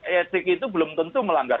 etik itu belum tentu melanggar